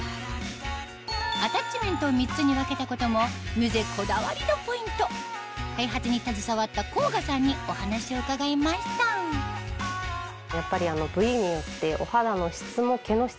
アタッチメントを３つに分けたこともミュゼこだわりのポイント開発に携わった甲賀さんにお話を伺いましたをして商品を仕上げてまいりました。